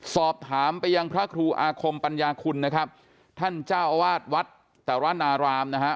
สอบถามไปยังพระครูอาคมปัญญาคุณนะครับท่านเจ้าอาวาสวัดตรนารามนะฮะ